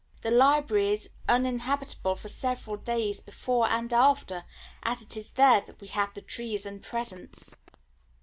The library is uninhabitable for several days before and after, as it is there that we have the trees and presents.